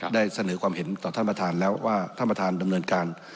ได้เสนอความเห็นต่อท่านประธานแล้วว่าท่านประธานดำเนินการ